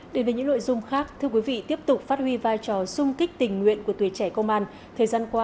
đến với những nội dung khác thưa quý vị tiếp tục phát huy vai trò sung kích tình nguyện của tuổi trẻ công an